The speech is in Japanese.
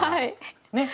ねっ。